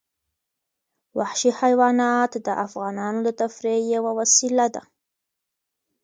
وحشي حیوانات د افغانانو د تفریح یوه وسیله ده.